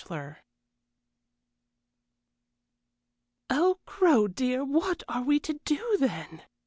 XX "Oh, Crow, dear, what are we to do, then?"